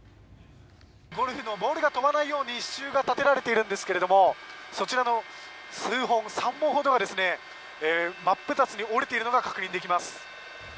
ゴルフのボールが飛ばないように支柱が立てられているんですがそちらの数本、３本ほどが真っ二つに折れているのが確認できます。